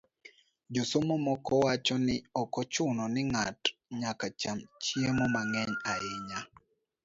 Josomo moko wacho ni ok ochuno ni ng'ato ocham chiemo mang'eny ahinya